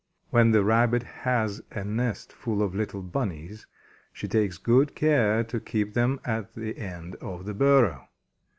When the Rabbit has a nest full of little "Bunnies," she takes good care to keep them at the end of the burrow.